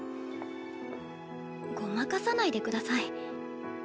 ごまかさないで下さい。